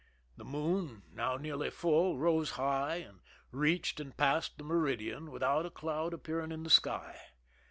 The moon, \ now nearly full, rose high, and reached and passed the meridian without a cloud appearing in the sky.